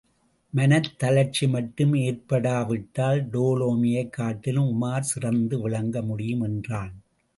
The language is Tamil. மனத் தளர்ச்சி மட்டும் ஏற்படாவிட்டால், டோலமியைக் காட்டிலும் உமார் சிறந்து விளங்க முடியும்! என்றான்.